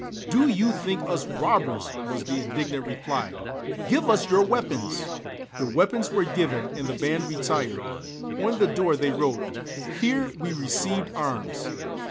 "Do you think us robbers?" was the indignant reply. "Give us your weapons!" The weapons were given and the band retired; on the door they wrote, "Here we received arms!"